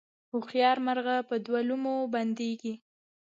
هوښیار مرغه په دوو لومو بندیږي